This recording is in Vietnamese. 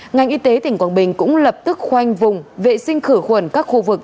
ngành y tế tỉnh quảng bình cũng lập tức khoanh vùng vệ sinh khử khuẩn các khu vực